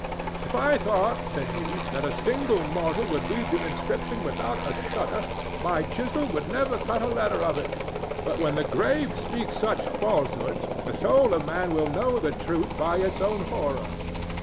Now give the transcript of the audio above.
"If I thought," said he, "that a single mortal would read the inscription without a shudder, my chisel should never cut a letter of it. But when the grave speaks such falsehoods, the soul of man will know the truth by its own horror."